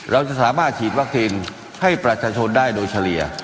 เราจะสามารถฉีดวัคซีนให้ประชาชนได้โดยเฉลี่ย